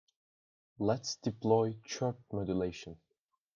Let's deploy chirp modulation.